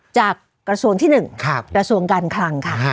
จากกระทรวงที่๑กระทรวงการคลังค่ะ